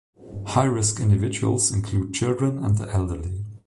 High-risk individuals include children and the elderly.